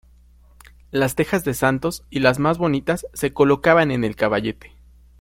Las tejas de santos y las más bonitas se colocaban en el caballete.